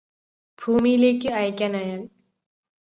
ഭൂമിയിലേയ്ക് അയയ്കാനായാല്